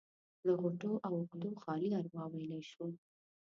له غوټو او عقدو خالي اروا ويلی شو.